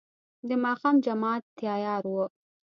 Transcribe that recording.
د ماښام جماعت تيار و.